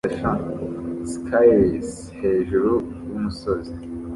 Skiiers hejuru yumusozi